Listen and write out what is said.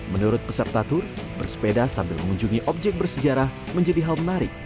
menurut peserta tur bersepeda sambil mengunjungi objek bersejarah menjadi hal menarik